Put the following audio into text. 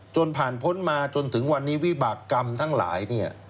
จนผ่านพ้นมาจนถึงวันนี้วิบากรรมทั้งหลายเนี่ย